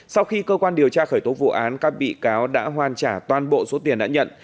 sau khi cơ quan điều tra khởi tố vụ án các bị cáo đã hoàn trả toàn bộ số tiền đã nhận